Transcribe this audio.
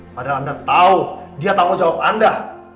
padahal anda tahu dia tanggung jawab anda